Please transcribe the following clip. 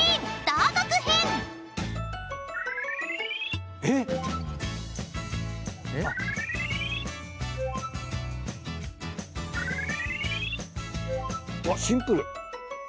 うわっシンプル。